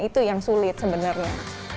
itu yang sulit sebenarnya